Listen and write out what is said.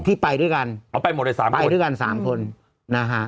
ไปด้วยกันอ๋อไปหมดเลยสามคนไปด้วยกันสามคนนะฮะ